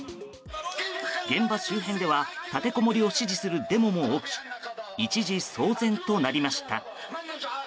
現場周辺では立てこもりを支持するデモも起き一時騒然となりました。